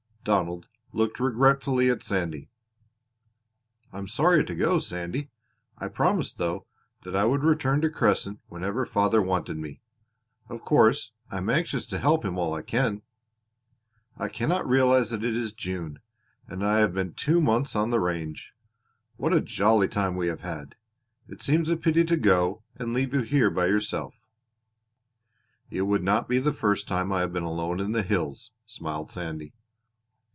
Donald looked regretfully at Sandy. "I'm sorry to go, Sandy. I promised, though, that I would return to Crescent whenever father wanted me; of course I am anxious to help him all I can. I cannot realize that it is June, and that I have been two months on the range. What a jolly time we have had! It seems a pity to go and leave you here by yourself." "It would not be the first time I have been alone in the hills," smiled Sandy.